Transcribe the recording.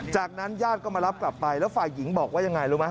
จากนั้นญาติก็มารับกลับไปแล้วฝ่ายหญิงบอกว่ายังไงรู้ไหม